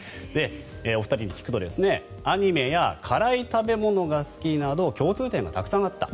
お二人に聞くとアニメや辛い食べ物が好きなど共通点がたくさんあった。